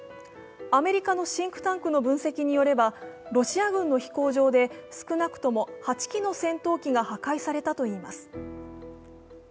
アメリカのシンクタンクの分析によればロシア軍の飛行場で少なくとも８機の戦闘機が破壊されたといいます。